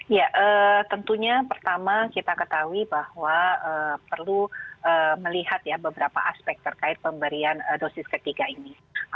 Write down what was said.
ya tentunya pertama kita ketahui bahwa perlu melihat ya beberapa aspek terkait pemberian dosis ketiga ini